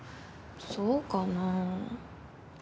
そうかな。